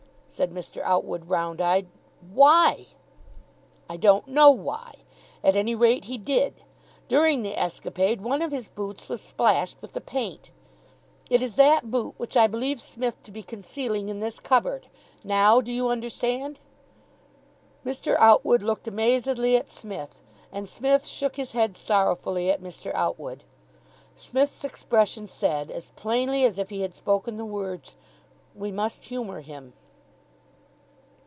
said Mr. Outwood, round eyed. "Why?" "I don't know why. At any rate, he did. During the escapade one of his boots was splashed with the paint. It is that boot which I believe Smith to be concealing in this cupboard. Now, do you understand?" Mr. Outwood looked amazedly at Smith, and Psmith shook his head sorrowfully at Mr. Outwood. Psmith's expression said, as plainly as if he had spoken the words, "We must humour him."